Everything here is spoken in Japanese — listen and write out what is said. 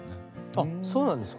あっそうなんですか？